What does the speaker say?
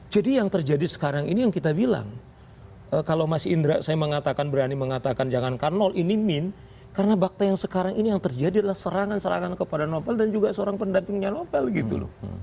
jadi yang terjadi sekarang ini yang kita bilang kalau mas indra saya mengatakan berani mengatakan jangankan nol ini min karena bakta yang sekarang ini yang terjadi adalah serangan serangan kepada novel dan juga seorang pendampingnya novel gitu loh